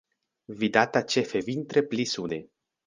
Vidata ĉefe vintre pli sude.